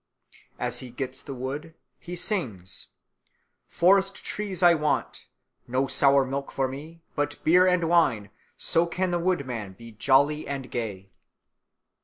As he gets the wood he sings: "Forest trees I want, No sour milk for me, But beer and wine, So can the wood man be jolly and gay."